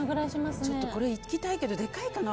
ちょっとこれいきたいけどでかいかな。